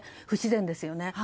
不自然ですよね。